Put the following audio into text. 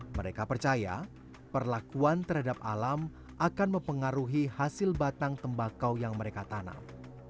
mereka percaya perlakuan terhadap alam akan mempengaruhi hasil batang tembakau yang mereka tanam